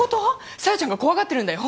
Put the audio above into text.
小夜ちゃんが怖がってるんだよ？